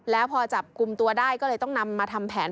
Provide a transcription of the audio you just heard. แล้วพอจับกลุ่มตัวได้ก็เลยต้องนำมาทำแผน